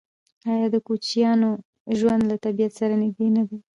آیا د کوچیانو ژوند له طبیعت سره نږدې نه دی؟